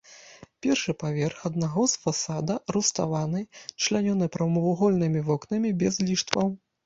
Першы паверх аднаго з фасада руставаны, члянёны прамавугольнымі вокнамі без ліштваў.